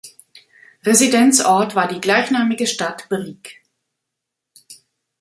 Residenzort war die gleichnamige Stadt Brieg.